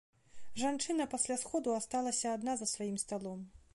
Жанчына пасля сходу асталася адна за сваім сталом.